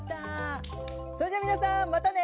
それじゃ皆さんまたね！